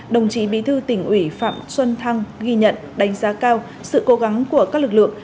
đồng chí bí thư tỉnh ủy phạm xuân thăng ghi nhận đánh giá cao sự cố gắng của các lực lượng